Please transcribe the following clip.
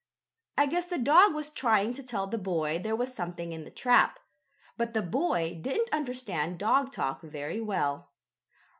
I guess the dog was trying to tell the boy there was something in the trap, but the boy didn't understand dog talk very well.